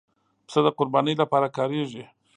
پسه د قربانۍ لپاره کارېږي.